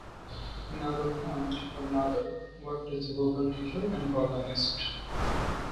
Minabel Hunt, her mother, worked as a vocal teacher and organist.